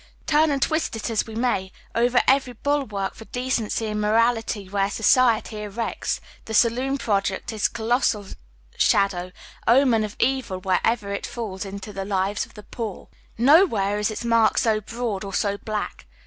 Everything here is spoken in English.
Turn and twist it as we may, over against every buhvark for decency and morality which society erects, the saloon projects its colossal shadow, omen of evil wherever it falls into the lives of the poor. Nowhere is its mark so broad or so black.